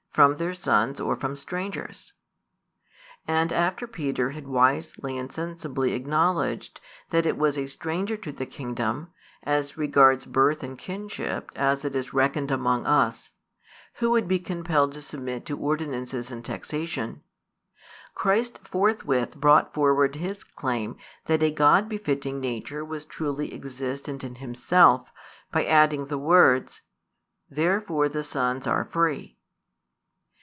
from their sons or from strangers? And after Peter had wisely and sensibly acknowledged that it was a stranger to the kingdom, as regards birth and kinship as it is reckoned among us, who would be compelled to submit to ordinances and taxation; Christ forthwith brought forward His claim that a God befitting nature was truly existent in Himself, by adding the words: Therefore the sons are free.